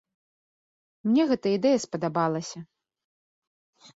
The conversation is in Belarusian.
Мне гэта ідэя спадабалася.